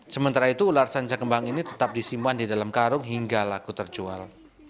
sementara itu ular sanca kembang ini tetap disimpan di dalam karung hingga laku terjual